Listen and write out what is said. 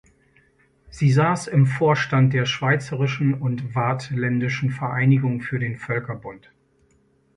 Sie sass im Vorstand der schweizerischen und waadtländischen Vereinigung für den Völkerbund.